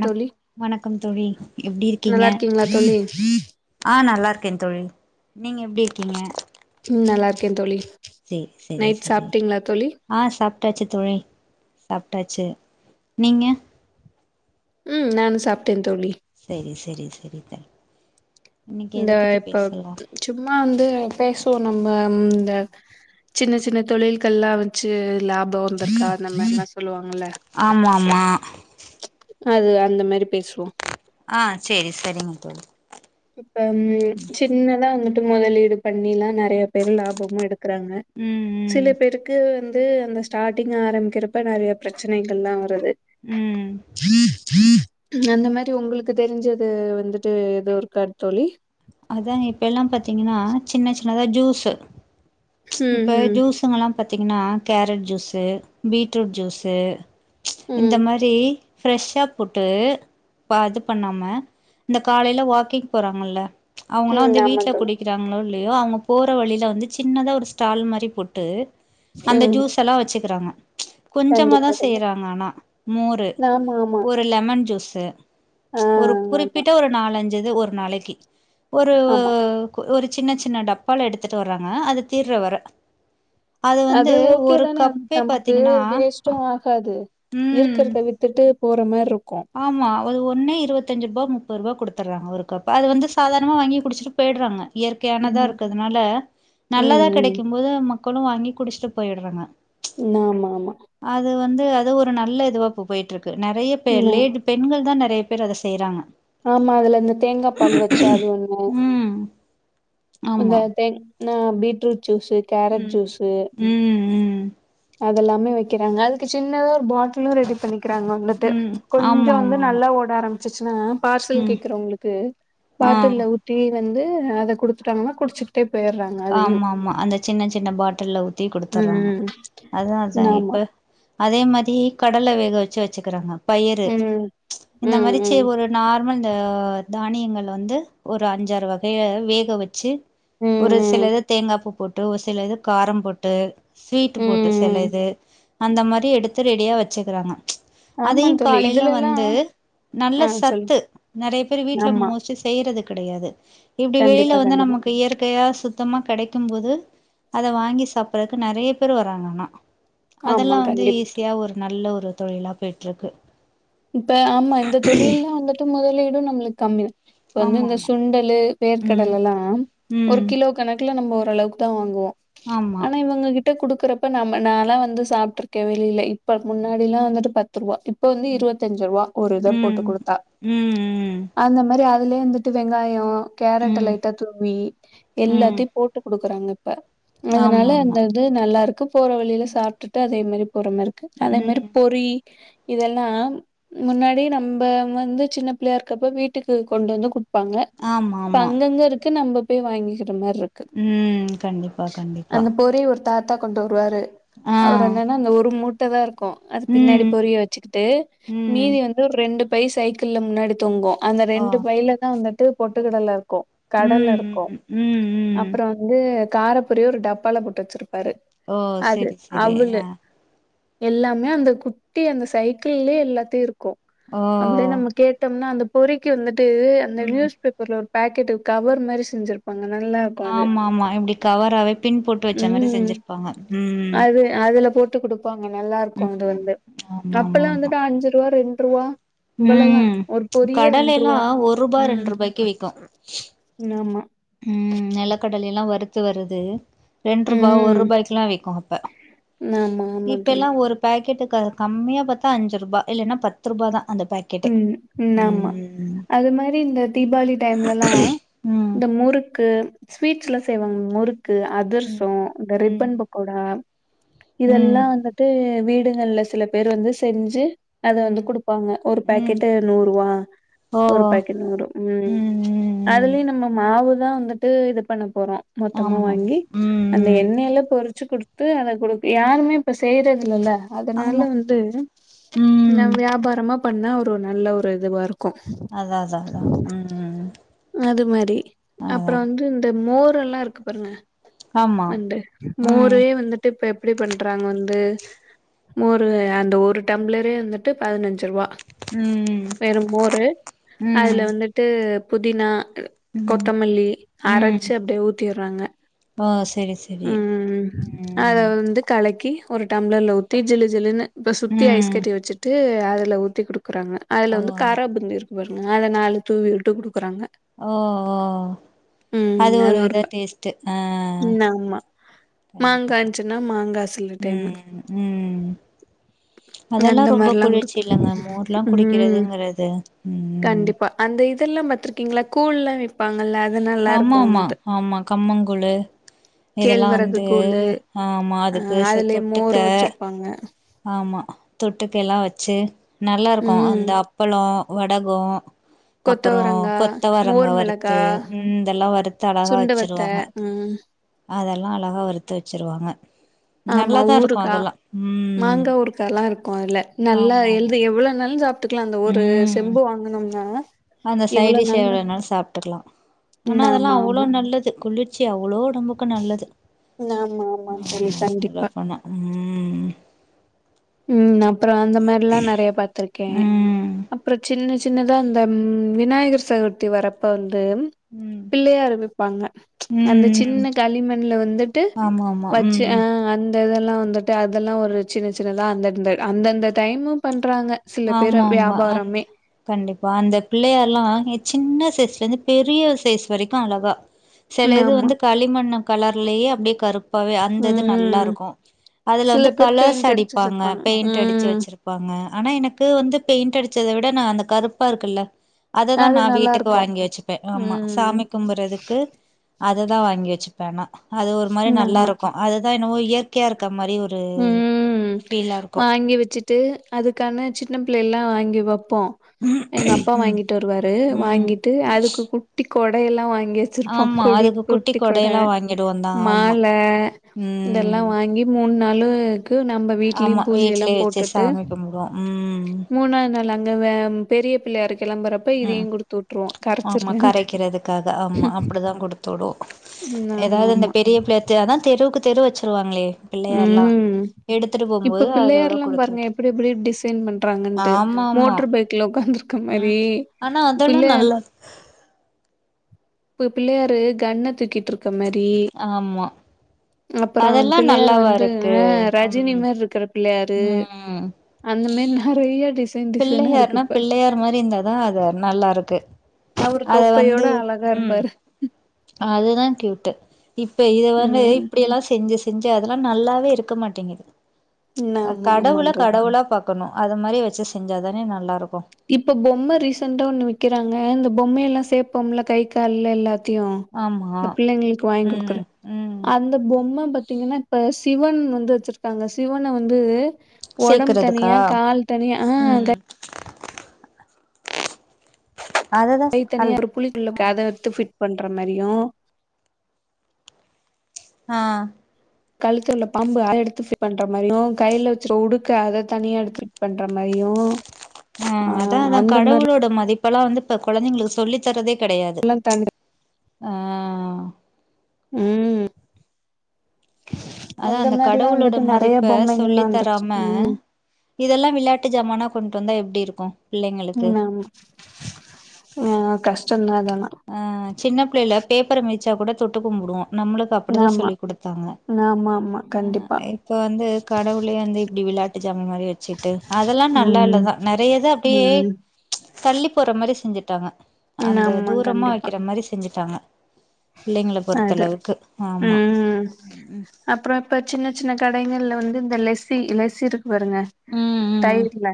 ந தோழி வணக்கம் தோழி எப்டி இருக்கீங்க நல்லா இருக்கீங்களா தோழி ஆ நல்லா இருக்கே தோழி நீங்க எப்டி இருக்கீங்க ம் நல்லா இருக்கே தோழி சேரி சேரி நைட் சேரி சாப்ட்டீங்ளா தோழி ஆ சாப்ட்டாச்சி தோழி சாப்ட்டாச்சி நீங்க ம் நானு சாப்ட்டே தோழி சரி சரி சரி த்த இன்னைக்கு இந்த எத பத்தி இப்ப பேசலா சும்மா வந்து பேசுவோ நம்ம இந்த சின்ன சின்ன தொழில்கள்லா வெச்சு லாப வந்துர்கா அந்தமார்லா சொல்லுவாங்கல்ல ஆமாமா அது அந்தமாரி பேசுவோ ஆ செரி செரிங்கதோழி இப்பம் சின்னதா வந்துட்டு முதலீடு பண்ணிலா நெறய பேரு லாபமு எடுக்கறாங்க ம் சில ம் பேருக்கு வந்து அந்த ஸ்டார்ட்டிங் ஆரமிக்கறப்ப நெறய பிரச்சனைகள்லா வருது ம் அந்த மாரி உங்குளுக்கு தெரிஞ்சது வந்துட்டு ஏதோ ஒரு கட்தோழி அதா இப்ப எல்லா பாத்தீங்கனா சின்ன சின்னதா ஜூஸு ம் இப்ப ம் ஜூஸுங்கலா பாத்தீங்கனா கேரட்ஜூஸு பீட்ரூட்ஜூஸு ம் இந்தமாரி ஃப்ரெஷ்ஷாபோட்டு பா இது பண்ணாம இந்த காலையில வாக்கிங் போறாங்கல்ல அவ்ங்களா ம் வந்து ஆமா வீட்டுல தோழி குடிக்க றாங்களோ இல்லயோ அவங்க போற வழியில வந்து சின்னதா ஒரு ஸ்டால் மாரி போட்டு அந்த ம் ஜூஸ் ஸல்லா வச்சிக்கிறாங்க கொஞ்சமா தா கண்டிப்பா தோழி செய்யறாங்க ஆனா மோரு ஆமா ஆமா ஒரு லெமன் ஜூஸு ஆ ஒரு ஆமா குறிப்பிட்ட ஒரு நாலஞ்சிது ஒரு நாளைக்கு ஒரு ஆமா ஓ ஒரு சின்ன சின்ன டப்பால எடுத்துட்டு வர்றாங்க அது தீர்ற வர வந்து அது ஒரு ஓகேதானே வந்து கப்பே நமக்கு பாத்தீங்கன்னா வேஸ்டு ஆகாது ம் இருக்கறத வித் துட்டு போற மார்ருக்கு ஆமா அது ஒன்னே இருவத்தஞ்ர்பா முப்பருவா குடுத்தர்றாங்க ஒரு கப் அது வந்து சாதாரணமா வாங்கி குடிச்சிட்டு போய்ட்றாங்க இயற்கையானதா ம் இருக்கதுனால ம் நல்லதா ம் ம் கெடைக்கும்போது மக் களு வாங்கி குடிச்ட்டு போய்ட்றாங்க நா மாமா அதுவந்து அது ஒரு நல்ல இதுவா ப்ப போய்ட்ருக்கு நெறய பேர் ம் லேடி பெண்கள் தா நெறய பேர் அத செய்றாங்க ஆமா அதுலஇந்த தேங்கா பால் வச்சு அதுஒண்ணு ம் ஆமா இந்த தேங் நா பீட்ரூட்ஜூஸூ கேரட் ம் ஜூஸூ ம் ம் அதெல்லாமே வக்கிறாங்க அதுக்கு சின்னதா ஒரு பாட்டிலு ரெடி பண்ணி கிறாங்க வந்துட்டு ம் ஆமா கொஞ்சவந்து ஆமா ஆமா நல்லா ஓட ஆரமிச்சுச்னா பார்சல் ம் கேக்குறவங்ளுக்கு ஆ பாட்டில்ல ஊத் தி வந்து அத குடுத்துட்டாங்னா குடிச்சிட்டே பேய்ட்றாங் ஆமாமா அந்த சின்ன சின்ன பாட்டில்ல ஊத்தி ம் குடுத்தர்றாங்க ம் அதா அதா ஆமா இப்ப அதே மாதி கடல வேக வச்சு வச்சுகுறாங்க பயறு ம் ம் இந்த மரிச்சு ம் ஒரு நார்மல் ந்த தானியங்கள வந்து ஒரு அஞ்சாறு வகய வேக வச்சு ம் ம் ஒருசிலத தேங்காபூ போட்டு ஒருசிலத காரம் போட்டு ஸ்வீட் ம் போட்டு ம் செலஇது அந்தமாரி எடுத்து ரெடியா வெச்சுக்றாங்க ஆமா அதயு தோழி காலைய்ல இதுலல்லா வந்து நல்ல ஆ சொல்லு சத்து நெறய பேரு வீட்ல ஆமா மோஸ்ட்லி செய்றது கிடையாது இப்டி வெளில கண்டிப்பா வந்து கண்டிப்பா நமக்கு இயற் கையா சுத்தமா கெடைக்கும்போது அத வாங்கி சாப்பறதுக்கு நெறய பேர் வராங்க ஆனா ஆமா அதெலா வந்து கண்டிப்பா ஈஸியா ஒரு நல்ல ஒரு தொழிலா போய்ட்ருக்கு இப்ப ஆமா இந்த தொழில்னு வந்துட்டு முதலீடு நம்முளுக் கம்மிதா இப்ப வந்து ஆமா இந்த ஆமா சுண்டலு ம் வேர்கடலல்லா ஒரு ம் கிலோக் கணக்குல நம்ப ஓரளவுக்குதா வாங்குவோ ஆமா ஆனா இவங்க கி ட்ட குடுக்கறப்ப நம்ம நாலா வந்து சாப்ட்ருக்கே வெளில இப்ப முன்னாடிலா வந்துட்டு பத்துருவா ப்ப வந்து ம் இருவத்தஞ்ரூவா ஒரு இத போட்டு ம் குடுத்தா ம் அந்த மாரி அதுலே வந்துட்டு வெங்காயோ ம் கேரட்ட ம் லைட்டா தூவி ம் எல்லாத்தி போ ட்டு குடுக்கறாங்க இப்ப ஆமா அதனால அந்த ஆமா வந்து நல்லாருக்கு போற வழில சாப்டுட்டு அதே மாரி போறமார்ருக்கு அதே மாரி ம் பொறி இதெல்லா முன்னாடி நம்ம வந்து சின்ன பிள்ளையா இருக்கப்ப வீட்டுக்கு கொண்டு வந்து கு ப்பாங்க ஆமா இப்ப ஆமா அங்கங்க இருக்கு நம்ம போய் வாங்கிக்கிற மார்ருக் ம் கண்டிப்பா கண்டிப்பா ஒரே ஒரு தாத்தா கொண்டு வருவாரு ஆ அவர் என்னன்னா அந்த ஒரு மூட் டதா இருக்கு அது பின்னாடி ம் பொரிய வச்சுக்கிட்டு ம் மீதி வந்து ரெண்டு பை சைக்கிள்ல முன்னாடி தொங்கு அந்த ஓ ரெண்டு பைல தா வந்துட்டு பொட்டுக்கடல க்கு கடல ம் இருக்கு ம் ம் ம் அப்பற வந்து கார பொரிய ஒரு டப்பால போட்டு வச்சிருப் பாரு ஓ அது செரி செரி அவுலு ஆ எல்லாமே அந்த குட்டி அந்த சைக்கிள்லயே எல்லாத்தையு இருக்கு ஓ அப்டியே நம்ம கே ட்டம்னா அந்த பொறிக்கு வந்துட்டு அந்த ம் நியூஸ் பேப்பர்ல ஒரு பேக்கெட்டு கவர் மாதிரி செஞ்சிருப்பாங்க நல்லா இருக்கு அது ஆமாமா இப்டி கவராவே பின் போட்டு வச்ச மாரி செஞ்சிருப்பாங்க ம் ம் அ அதுல போட்டு குடுப்பாங்க நல்லாருக்கு அது ம் வந்து ஆமா ஆமா அப்பல்லா ஆமா வந்துட்டு அஞ்சுரூவா ரெண்ரூவா இவ்வளதா ம் ஒரு பொரியே கடலைலா ரெண்ரூவா ஒரு ரூபா ரெண்டு ரூபாய்க்கு விக்கு ஆமா ம் நெலகடலைலா வறுத்து வருது ரெண்ரூபா ம் ஒர்ரூபாக்லா விக்கு அப்ப ஆமா ஆமா தோழி இப்பெல்லா ஒரு பேக்கெட்டு க கம்மியாபாத்தா அஞ்சுரூபா இல்லெனா பத்துரூபா தா அந்த பேக் ம் ம் ஆமா அது மாரி இந்த தீபாளி டைம்லலா ம் இந்த முறுக்கு ஸ்வீட்ஸ்லா செய்வாங்க முறுக்கு ம் அதுரசோ இந்த ரிப்பன் ம் பக்கோடா இதெல்லா ம் வந்துட்டு வீடுகள்ல சில பேர் வந்து செஞ்சு அது வந்து ம் குடுப்பாங்க ஒரு ம் பாக்கெட் நூறுவா ஓ ஒரு பாக்கெட் நூறு ம் ம் ம் அதுலயு நம்ம மாவு தா வந்துட்டு இது பண்ண போறோ மொத்தமா ஆமா ஆமா வாங்கி ம் அந்த ம் எண்ணெய்ல்ல பொறு ச்சு குடுத்து அத குடு யாருமே இப்ப செய்றது இல்லல அதனால ஆமா வந்து ம் நம் வியாபாரமா பண்ணா ஒரு நல்ல ஒரு இதுவா இருக் அதா அதா அதா ம் அது மாரி அதா அப்பறோ வந்து இந்த மோர் எல்லா இருக்கு பாருங்க ஆமா வண்டு ம் மூரே வந்துட்டு இப்ப எப்டி பண்றாங்க வந்து மோரு அந்த ஒரு டம்ளரே வந்துட்டு பதினஞ்சு ருவா ம் வெறும்மோரு அதுல ம் வந்துட்டு புதினா ம் கொத்தமல்லி ம் அரச்சு அப்டியே ஊத்திறாங்க ஓ சரி சரி ம் அத வந்து கலக்கி ஒரு டம்ளர்ல ஊத்தி ஜிலு ஜிலுன்னு இப்ப சுத்தி ஐஸ் ம் கட்டி வச்சுட்டு அதுல ஊத்தி குடுக்குறாங்க ஓ அதுல வந்து காராபுந்தி இருக்கும் ஒரு மேல நாலு தூவி விட்டு குடுக்குறாங்க ஓ ஓ அது ஒரு வித டேஸ்ட்டு ஆ ம் ஆமா கண்டிப்பா மாங்கா இருந்துச்சுன்னா மாங்கா சில டைமு ம் ம் அதெல்லா அந்த ரொம்ப மாரிலா குளிர்ச்சி குடுக்கு இல்லங்க மோர்ல்லா ம் குடிக்கிறதுங்கிறது ம் கண்டிப்பா அந்த இதெல்லா பாத்திருக்கீங்களா கூழ்லா ஏ டுப்பாங்கல்ல அது நல்லா ஆமா இருக்கும் ஆமா வந்து ஆமா கம்மங்கூழு இதெல்லா கேழ்வரகு வந்து கூலு ஆமா ஆ அதுக்கு ச அதுலயே தொட்டுக்க மோர் வச்சிருப்பாங்க ஆமா தொட்டுக்க எல்லா வச்சு நல்லா இருக்கும் ம் அந்த அப்பளோ வடகோ அப்பறோ கொத்தவரங்கா கொத்தவரங்கா மோர் மிளகா வறுத்து ம் இதெல்லா வறுத்து அழகா சுண்டவத்த வச்சிருவாங்க ம் அதெல்லா அழகா வறுத்து வச்சிருவாங்க ஆமா நல்லாதா இருக்கும் ஊறுகா அதெல்லா ம் மாங்கா ஊறுகால்லா இருக்கும் அதுல நல்லா ஆமா ஆமா எழு எவ்வளோ நாலு சாப் ட்டுக்குலா அந்த ஒரு ம் செம்பு வாங்கனம்னா அந்த சைடிஷ் எவ்ளோ நாலும் சாப்பிட்டுக்கலா ஆனா நா அதெல்லா ம் அவ்ளோ ஆமா நல்லது குளி ர்ச்சி அவளோ ஒடம்புக்கு நல்லது ஆமா ஆமா தோழி ஆமா சொல்ல கண்டிப்பா போனா ம் ம் அப்பறோ அந்த மாரில்லா நறைய பாத்துருக்கே ம் ம் அப்றோ சின்ன சின்னதா இந்த விநாயகர் சதுர்த்தி வரப்ப வந்து ம் பிள்ளையார் விப்பாங்க அந்த ம் சின்ன களிமண்ல வந்துட்டு ஆமா ஆமா ம் வச்சு ஆ ம் அந்த இந்த இதெல்லா வந்துட்டு அதெல்லா ஒரு சின்ன சின்னதா அந்தந்த அந்த அந்தந்த டைமு பண்றாங்க சில பேரு ஆமா ஆமா அந்த வியாபாரமே கண்டிப்பா அந்த பிள்ளையார்ல்லா சின்ன சைஸ்ல இருந்து பெரிய சைஸ் வரைக்கும் அழகா சில ம் இது ஆமா வந்து களிமண்ணு கலர்லேயே அப்படியே கரு ப்பவே அந்தது நல்லா ம் இருக்கும் அதுல சில வந்து பேர் கலர்ஸ் பெயிண்ட் அடிச்சு அடிப்பாங்க வச்சிருப்பாங்க பெயிண்ட் அடிச்சு ம் வச்சிருக் ப்பாங்க ஆனா எனக்கு வந்து பெயிண்ட் அடிச்சத விட நா அந்த கருப்பா இருக்குல்ல அததா அது நா நல்லா வீட்டுக்கு இருக்கு வாங்கி வச்சுப்பே ஆமா ம் சாமி கும்புறதுக்கு அததா வாங்கி வச்சுப்பே ஆனா அது ஒரு மாரி நல்லா ஆமா இருக்கும் அதுதா என்னவோ இயற்கையா இருக்க மாரி ஒரு ம் ஃபீலா இருக்கு வாங்கி வச்சுட்டு அதுக்கான சின்ன பிள்ளை எல்லாம் வாங்கி வப்போம் ம் எங்க அப்பா வாங்கிட்டு வருவாரு ம் வாங்கிட்டு அதுக்கு குட்டி கொட எல்லாம் வாங் அங்கே வச்சிருப்போம் ஆமா குடி அதுக்கு குட்டி குட்டிக் கொட கொடையெல்லா வாங்கிடுவோ தா ஆமா மால ம் இதெல்லாம் வாங்கி மூணு நாளு க்கு நம்ம வீடலயும் ஆமா பூஜ வீட்லயே எல்லாம் வச்சு போட்டுட்டு சாமி கும்பிடுவோ ம் மூணாது நாள் அங்க பெரிய பிள்ளையாரு கிளம்பறப்ப ம் ஆமா கரைக்கிறதுக்காக ஆமா அப்டிதான் குடுத்து விடுவோம் ம் ஆமா ஏதாவது இந்த ஆமா பெரிய பிள்ளையார் தெ அதா தெருவுக்கு தெரு வச்சிருவாங்களே பிள்ளையார்ல்லாம் ம் இப்ப பிள்ளையார் எல்லா பாருங்க விட்டு எப்படி எப்படி டிசைன் பண்றாங்கண்டு ஆமா ஆமா மோட்டர் பைக் குல உக்காந்துருக்க ம் மாறி ஆனா அதெல்லா பிள்ளையார் [unintelligible] இப்போ பிள்ளையாரு கன்ன தூக்கிட்டு இருக்க மாறி ஆமா அப்பறோ அதெல்லா பிள்ளையார் நல்லாவா வந்து இருக்கு ஆ ரஜினி ம் மாறி இருக்கற பிள்ளயாரு ம் அந்த மாறி நிறையா டிசைன் டிசைனா இருக்கு பிள்ளையார்னா இப்ப பிள்ளையார் மாறி இருந்தாதா அது நல்லா இருக்கு அவரு அத வந்து தொப்பையோட அழகா உம் இருப்பாரு அதுதா கியூட்டு் இப்ப இத வந்து ம் இப்படியெல்லாம் செஞ்சு செஞ்சு அதெல்லா நல்லாவே இருக்க மாட்டேங்குது அ ஆமா கடவுள ஆமாங் தோழி கடவுளா பாக் கணும் அது மாறி வச்சு செஞ்சா தானே நல்லாருக்கும் இப்ப பொம்ம ரீசண்டா ஒண்ணு விக்கிறாங்க இந்த பொம்மையெல்லா சேப்போம்ல்ல கை கால்ல எல்லா த்தியு ஆமா இந்த பிள்ளைங்களுக்கு வாங்கி குடுக்குற ம் ம் அந் ஒரு பொம்ம பாத்தீங்கன்னா இப்ப சிவன் வந்து வச்சிருக்காங்க சிவனை வந்து உடம்பு சேக்குறதுக்கா தனியா கால் தனியா ஆ ம் அததா சொ கைத் அல் தனியா ஒரு புலிக்குள்ள அதை எடுத்து ஃபிட் பண்ற மாறியு ஆ கழுத்து உள்ள பாம்பு அதை எடுத்து ஃபிட் பண்ற மாறியு கையில வச்ச உடுக்கை அத தனியா எடுத்து ஃபிட் பண்ற மாறியு ஆ அதா அதா கடவுளோட மதிப் பல்லா வந்து இப்ப க கொழந்தைங்களுக்கு சொல்லி தரதே கிடையாது தனி ஆ உம் அதா அந்த மாறில்லா கடவுளோட வந்துட்டு நறைய மதிப்ப சொல்லி பொம்மைகல்லா வந்துருச்சு தராம உம் இதெல்லா விளையாட்டு ஜமானா கொண்ட்டு வந்தா எப்டி இருக்கும் உம் ஆமா ஆ கஷ்டந்தா இதெல்லா அ சின்ன பிள்ளைல பேப்பரை மெதிச்சா கூட தொட்டு கும்பிடுவோ நம்மளுக்கு அப்டிதா ஆமா சொல்லி் குடுத்தாங்க ஆமா ஆமா கண்டிப்பா ஆ இப்ப வந்து கடவுள் பிள்ளயா இருந்தா இப்படி விளாட்டு ஜாமான் மாறி வச்சுட்டு அதெல்லா நல்லா ம் இல்லதா நிறைய இது அப்டியே ம் தள்ளி போற மாறி செஞ்சுட்டாங்க அந்த ஆமா தூரமா கண்டிப்பா வைக்கிற மாறி செஞ்சுட்டாங்க பிள்ளைங்கள அ அது பொறுத்தளவுக்கு ஆமா உம் அப்புற இப்ப சின்ன சின்ன கடைகள்ல வந்து இந்த லெசி லெசி இருக் கும் பாருங்க ம் ம் தயிர்ல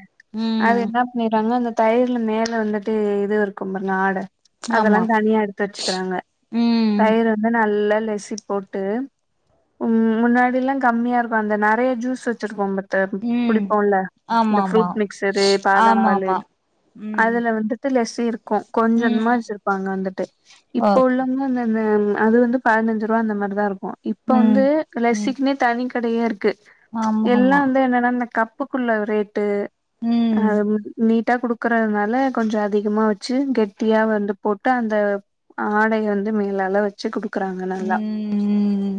அது ம் என்ன பண்ணிறாங்க அந்த தயிர்ல மேல வந்துட்டு இது இருக்கும் பாருங்க ஆட அதெல்லா ஆமா தனியா எடுத்து வச்சுக்கிறாங்க ம் தயிரு வந்து நல்லா லெசி போட்டு உம் முன்னாடில்லா கம்மியா இருக்கும் அந்த நெறைய ஜூஸ் வச்சிருப்போ பார் ஏப்பு ம் குடிப்போம்ல ஆமா இந்த ஆமா ஃப்ரூட் மிக்சரு ஆமா பாதாம்பாலு ஆமா ம் அதுல வந்து ட்டுலெசி இருக்கு கொஞ்சம்மா ம் வெச்சிருப்பாங்க வந்துட்டு இப்ப ஓகே உள்ளவங்க அந்த மா வந்து அது வந்து பதினஞ்சு ரூவா அந்த மாதிரிதா இருக்கு இப்ப வந்து ம் ம் லச்சிக்குனே தனி கடையே இருக் கு ஆமா எல்லா ஆமா வந்து என்னன்னா இந்த கப்புக்குள்ள ரேட்டு அ ம் நீட்டா குடுக்கறதுனால கொஞ்சொ அதிகமா வெச்சு கெட்டியா வந்து போட்டு அந்த ஆடைய வந்து மேலாள வ ம் ம்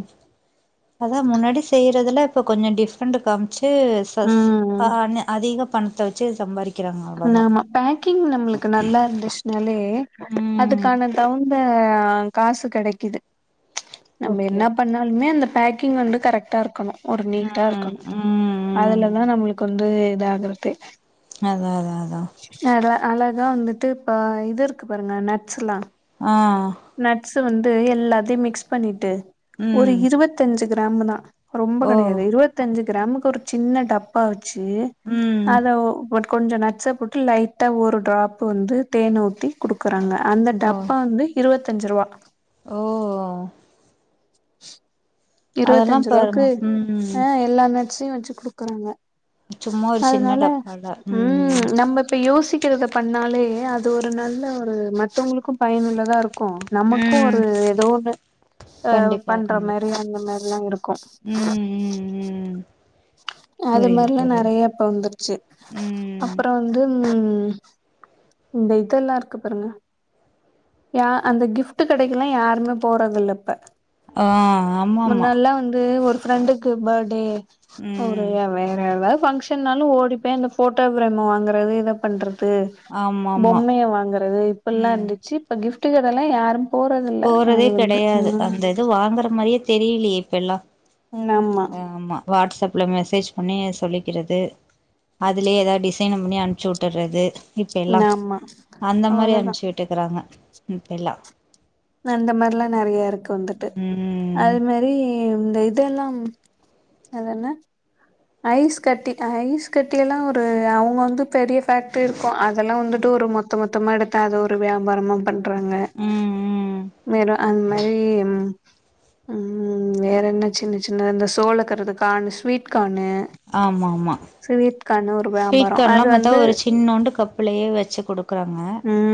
அதா முன்னாடி செய்றதுல இப்ப கொஞ்சொ டிஃப்ரெண்ட் காம்ச்சு டு ம் சச்சு அதிக பணத்த வெச்சு சம்பாரி ஆமா பேக்கிங் நம்மளுக்கு நல்லா இருந்துச்சுனாலே ம் அதுக்கான தகுந்த காசு கெடைக்குது நம்ம ஓகே என்ன ஓகே பண்ண ஒன்னு அந்த பேக்கிங் வந்து கரெக்டா இருக்கணு ஒரு நீட்டா ம் இருக்கணு ம் ம் அதுலதா நம்மளுக்கு வந்து இதாகுறது அதா அதா அதா அதா அழகா வந்துட்டு இப்ப இது இருக்கு பாருங்க நட்ஸ் எல்லா ஆ நட்ஸ் வந்து எல்லாத்தையு மிக்ஸ் பண்ணிட்டு ஒரு ம் இருவத்தஞ்சு கிராம் தா ரொம்ப ஓ கெடையாது இருவத்தஞ்சு கிராமுக்கு ஒரு சின்ன டப்பா வெச்சு ம் அத ஒ ஒரு கொஞ்சொ நட்ஸ போட்டு லைட்டா ஒரு ட்ராப்பு வந்து தேன் ஊத்தி குடுக்குறாங்க அந்த ஓ டப்பா வந்து இருவத்தஞ்சு ருவா ஓ அதெல்லா இருவத்தஞ்சு பாருங்க ருவாக்கு ம் ஆ எல்லா நட்ஸையு வெச்சு குடுக்குறாங்க சும்மா ஒரு சின்ன அதனால டப்பால ம் நம்ம இப்ப யோசிக்கிறத பண்ணாலே அது ஒரு நல்ல ஒரு மத்தவங்களுக்கு பயனுள்ளதா இருக்கு நமக்கு ம் ஒரு ஏதோ ஒன்னு அ கண்டிப்பா பண்ற மாரி கண்டிப்பா அந்த மாரிலா இருக்கு ம் ம் ம் அது புரியுது மாரிலா புரியுது நெறைய இப்ப வந்துருச்சு ம் அப்றோ வந்து ம் இந்த இதெல்லா இருக்கு பாருங்க யா அந்த கிஃப்ட் கடைக்கெல்லா யாருமே போறதில்ல இப்ப ஆ ஆமாமா முன்னால்லா வந்து ஒரு ஃப்ரெண்டுக்கு பேட் டே ஒரு ம் வேற ஏதா ஃபங்க்ஷனாலு ஓடிப்போய் அந்த ஃபோட்டோ பிரேம் வாங்குறது இத பண்ற து ஆமாமா பொம்மைய வாங்குறது இப்பில்லா ம் இருந்துச்சு இப்ப கிஃப்டு கத எல்லா யாரு போறதில்ல போறதே அது வந்து கெடையாது ம் அந்த இது வாங்குற மாரியே தெரியலையே இப்ப எல்லா ஆமா வாட்ஸ்அப்ல மெசேஜ் பண்ணி சொல்லிக்கிறது அதுலயே எதா டிசைன பண்ணி அமுச்சு விட்டுர்றது இப்ப எல்லா ஆமா அந்த மாரி அவ்ளோதா அமுச்சு வி ட்டுக்குறாங்க இப்ப எல்லா அந்த மாரில்லா நறைய இருக்கு வந்துட்டு ம் அது மாரி இந்த இதெல்லா அது என்ன ஐஸ் கட்டி ஐஸ் கட்டி எல்லா ஒரு அவங்க வந்து பெரிய ஃபேக்ட்ரி இருக்கு அதெல்லா வந்துட்டு ம் ஒரு மொத்த மொத்தமா எடுத்து அத ஒரு வியாபாரமா பண்றாங்க ம் ம் அந் மாரி ம் ம் வேற என்ன சின்ன சின்ன இந்த சோலக்கறுது கானு ஸ்வீட் கானு ஆமா ஆமா ஸ்வீட் வியாபாரோ கான்லா அது பாத்தா வந்து ஒரு சின்னொண்டு கப் லயே வெச்சு குடுக்குறாங்க ம்